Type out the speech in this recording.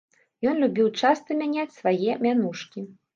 Ён любіў часта мяняць свае мянушкі.